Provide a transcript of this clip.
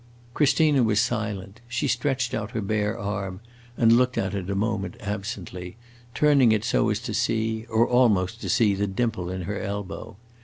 Christina was silent. She stretched out her bare arm and looked at it a moment absently, turning it so as to see or almost to see the dimple in her elbow.